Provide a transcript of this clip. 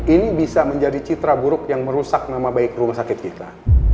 ini bisa menjadi citra buruk yang merusak nama baik rumah sakit kita